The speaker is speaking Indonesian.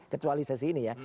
kecuali sesi ini ya